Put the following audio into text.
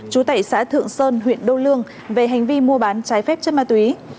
chú tẩy xã thượng sơn huyện đô lương về hành vi mua bán chai phép cho ma túy